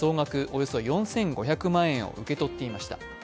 およそ４５００万円を受け取っていました。